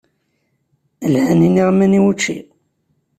Lhan yiniɣman i wučči.